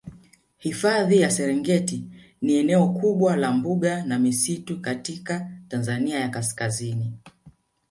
Hifadhi ya Serengeti ni eneo kubwa la mbuga na misitu katika Tanzania ya kaskazini